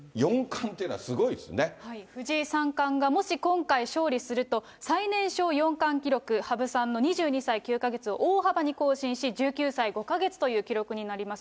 藤井三冠がもし今回、勝利すると、最年少四冠記録、羽生さんの２２歳９か月を大幅に更新し、１９歳５か月という記録になります。